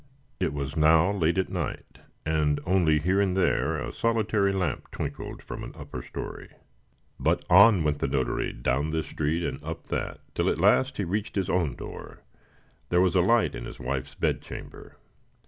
It was now late at night, and only here and there a solitary lamp twinkled from an upper story. But on went the notary, down this street and up that, till at last he reached his own door. There was a light in his wife's bedchamber.